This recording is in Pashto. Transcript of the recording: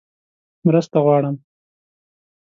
_مرسته غواړم!